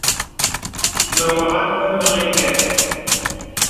Me wàŋhaŋ me meŋhī kɛ̄.